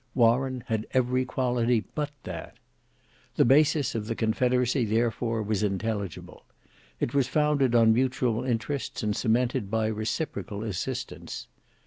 Warren had every quality but that. The basis of the confederacy therefore was intelligible; it was founded on mutual interests and cemented by reciprocal assistance.